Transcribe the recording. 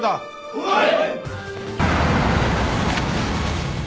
はい！